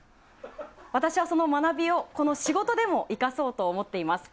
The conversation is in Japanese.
私はその学びをこの仕事でも生かそうと思っています。